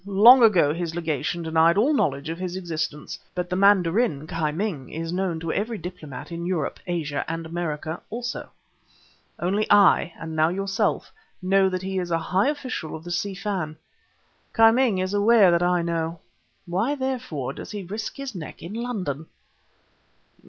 Long ago, his Legation denied all knowledge of his existence. But the mandarin Ki Ming is known to every diplomat in Europe, Asia and American almost. Only I, and now yourself, know that he is a high official of the Si Fan; Ki Ming is aware that I know. Why, therefore, does he risk his neck in London?"